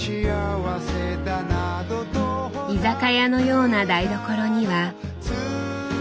居酒屋のような台所には。